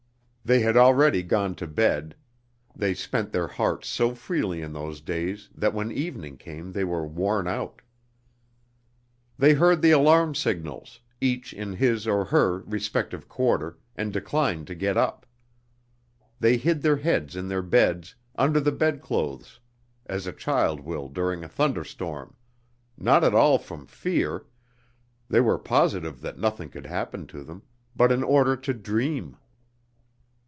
They had already gone to bed (they spent their hearts so freely in those days that when evening came they were worn out). They heard the alarm signals, each in his or her respective quarter, and declined to get up. They hid their heads in their beds under the bedclothes as a child will during a thunder storm not at all from fear (they were positive that nothing could happen to them) but in order to dream.